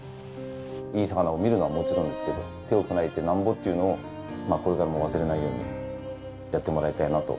いい魚を見るのはもちろんですけど手を加えてなんぼっていうのをこれからも忘れないようにやってもらいたいなと。